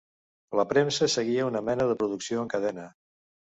La premsa seguia una mena de producció en cadena.